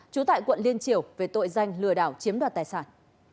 chú tại quận liên triều về tội danh lừa đảo chiếm đoạt tài sản